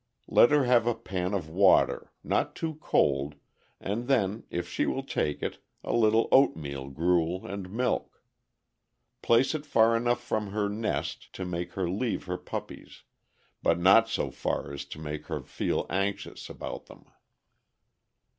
Let her have a pan of water, not too cold, and then, if she will take it, a little oatmeal gruel and milk; place it far enough from her nest to make her leave her puppies, but not so far as to make her feel anxious about them.